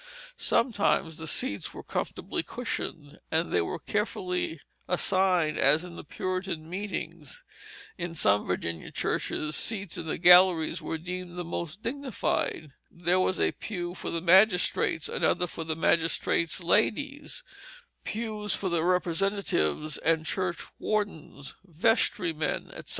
Sometimes the seats were comfortably cushioned, and they were carefully assigned as in the Puritan meetings. In some Virginia churches seats in the galleries were deemed the most dignified. There was a pew for the magistrates, another for the magistrates' ladies; pews for the representatives and church wardens, vestrymen, etc.